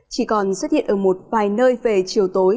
chỉ còn xuất hiện ở một vài nơi về chiều tối